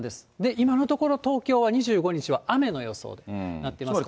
今のところ東京は２５日は雨の予想になってますが。